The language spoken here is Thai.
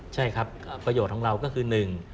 ใช่ครับประโยชน์ของเราก็คือหนึ่ง